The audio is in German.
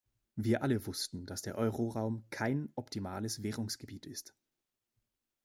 Wir alle wussten, dass der Euroraum kein optimales Währungsgebiet ist.